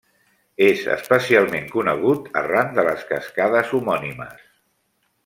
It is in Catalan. És especialment conegut arran de les cascades homònimes.